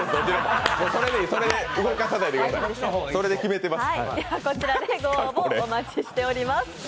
それでいい、動かさないでください、それで決めてます。